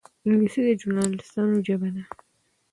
انګلیسي د ژورنالېستانو ژبه ده